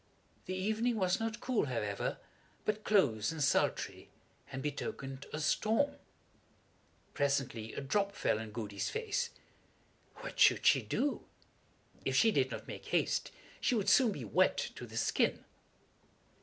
The evening was not cool, however, but close and sultry, and betokened a storm. Presently a drop fell on Goody's face. What should she do? If she did not make haste she would soon be wet to the skin.